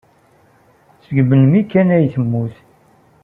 Seg melmi kan ay temmut.